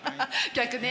逆ね。